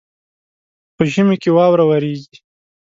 په ژمي کي واوره وريږي.